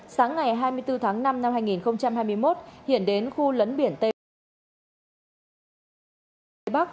sáng ngày hai mươi bốn tháng năm năm hai nghìn hai mươi một hiển đến khu lấn biển tây bắc phía bắc